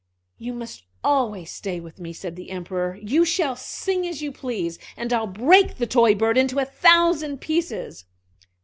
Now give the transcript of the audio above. "You must always stay with me," said the Emperor. "You shall sing as you please; and I'll break the toy bird into a thousand pieces."